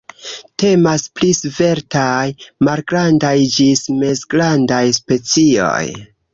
Temas pri sveltaj, malgrandaj ĝis mezgrandaj specioj.